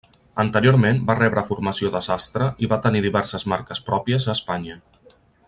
Anteriorment va rebre formació de sastre i va tenir diverses marques pròpies a Espanya.